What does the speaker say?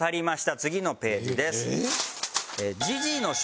次のページです。